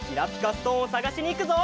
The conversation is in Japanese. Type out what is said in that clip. ストーンをさがしにいくぞ！